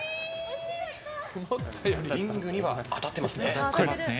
リングには当たってますね。